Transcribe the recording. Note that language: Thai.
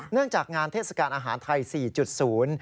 เนื่องจากงานเทศกาลอาหารไทย๔๐